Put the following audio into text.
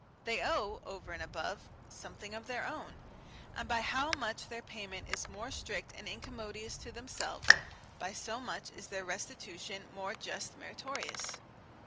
They owe, over and above, something of their own; and by how much their payment is more strict and incommodious to themselves, by so much is their restitution more just meritorious.